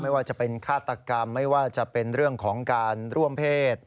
ว่าจะเป็นฆาตกรรมไม่ว่าจะเป็นเรื่องของการร่วมเพศ